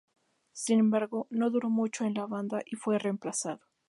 Sin embargo no duró mucho en la banda y fue reemplazado.